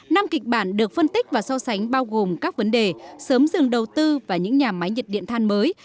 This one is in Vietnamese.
năm kịch bản được phân tích và so sánh bao gồm các vấn đề sớm dừng đầu tư và những nhà máy nhiệt điện than mới